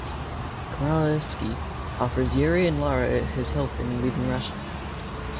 Komarovsky offers Yuri and Lara his help in leaving Russia.